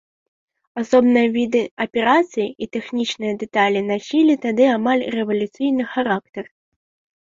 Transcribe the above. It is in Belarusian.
Асобныя віды аперацый і тэхнічныя дэталі насілі тады амаль рэвалюцыйны характар.